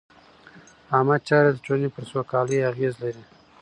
عامه چارې د ټولنې پر سوکالۍ اغېز لري.